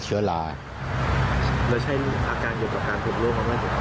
เชื้อลาแล้วใช่อาการเกี่ยวกับการถูกร่วมล่ะมันถูกเป็น